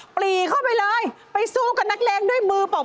ปรีเข้าไปเลยไปสู้กับนักเลงด้วยมือบอก